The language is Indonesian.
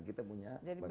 kita punya badan pangan